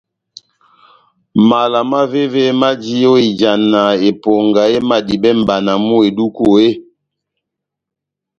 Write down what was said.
Mala mavéve maji ó ijana eponga emadibɛ mʼbana mú eduku eeeh ?